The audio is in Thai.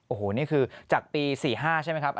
โอ้โหนี่คือจากปี๔๕ใช่ไหมครับ